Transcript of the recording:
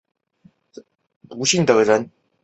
是个带来不幸的人